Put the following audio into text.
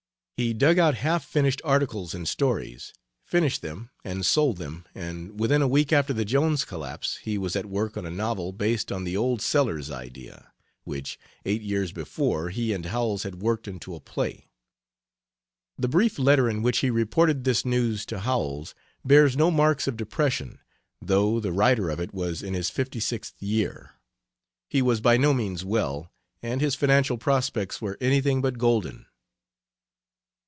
He dug out half finished articles and stories, finished them and sold them, and within a week after the Jones collapse he was at work on a novel based an the old Sellers idea, which eight years before he and Howells had worked into a play. The brief letter in which he reported this news to Howells bears no marks of depression, though the writer of it was in his fifty sixth year; he was by no means well, and his financial prospects were anything but golden.